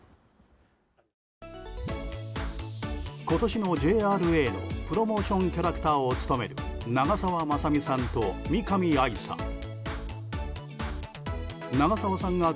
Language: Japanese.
今年のＪＲＡのプロモーションキャラクターを務める長澤まさみさんと見上愛さん。